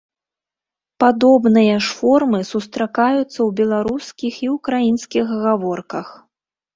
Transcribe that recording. Падобныя ж формы сустракаюцца ў беларускіх і ўкраінскіх гаворках.